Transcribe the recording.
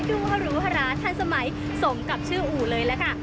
ดูฮรูฮราทันสมัยสมกับชื่ออู่เลยล่ะค่ะ